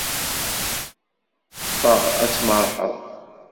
Ffeɣ ad tmerrḥeḍ!